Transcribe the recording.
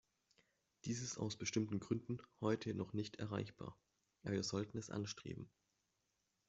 Dies ist aus bestimmten Gründen heute noch nicht erreichbar, aber wir sollten es anstreben.